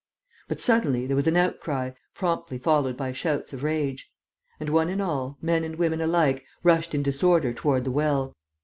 But, suddenly, there was an outcry, promptly followed by shouts of rage; and one and all, men and women alike, rushed in disorder toward the well.